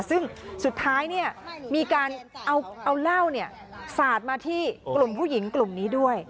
ซึ่งสุดท้ายมีการเอาเหล้าสาดมาที่กลุ่มผู้หญิงกลุ่มนี้ด้วย